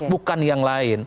bukan yang lain